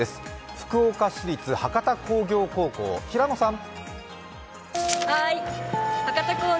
福岡市立博多工業高等学校平野さん。